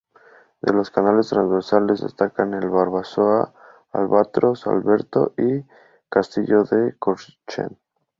De los canales transversales destacan el Barbarossa, Albatross, Adalberto, del Castillo y Cochrane.